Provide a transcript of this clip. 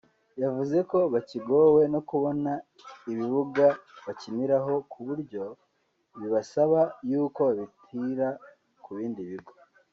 yavuze ko bakigowe no kubona ibibuga bakiniraho ku buryo bibasaba y’uko babitira mu bindi bigo